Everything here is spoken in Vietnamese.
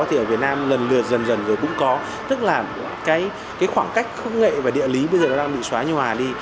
thì ở việt nam lần lượt dần dần rồi cũng có tức là cái khoảng cách khức nghệ và địa lý bây giờ nó đang bị xóa nhòa đi